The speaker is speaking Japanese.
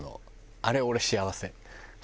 あれ俺幸せ。